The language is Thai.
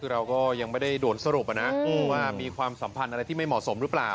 เราก็ยังไม่ได้โดนสรุปนะว่ามีความสัมพันธ์อะไรที่ไม่เหมาะสมหรือเปล่า